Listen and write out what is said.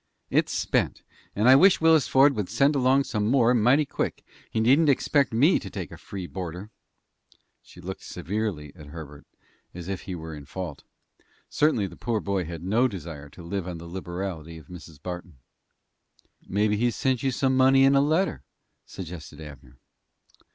"It's spent, and I wish Willis Ford would send along some more mighty quick. He needn't expect me to take a free boarder." She looked severely at Herbert, as if he were in fault. Certainly the poor boy had no desire to live on the liberality of Mrs. Barton. "Maybe he's sent you some money in a letter," suggested Abner.